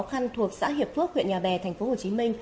các em học sinh thuộc xã hiệp phước huyện nhà bè tp hcm